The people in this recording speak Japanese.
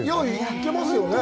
行けますよね。